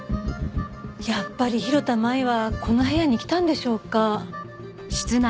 やっぱり広田舞はこの部屋に来たんでしょうか？